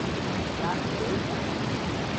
برنامه نویس است؟